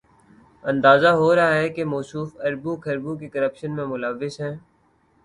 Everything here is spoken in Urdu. اندازہ ہو رہا ہے کہ موصوف اربوں، کھربوں کی کرپشن میں ملوث ہیں۔